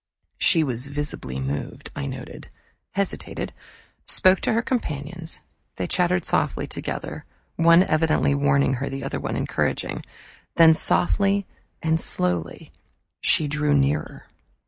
She was visibly moved, I noted, hesitated, spoke to her companions. They chattered softly together, one evidently warning her, the other encouraging. Then, softly and slowly, she drew nearer.